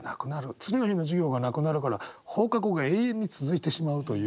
次の日の授業がなくなるから放課後が永遠に続いてしまうという。